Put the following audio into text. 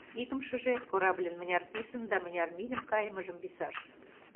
Икымшыже — корабльын мыняр писын да мыняр мильым кайымыжым висаш.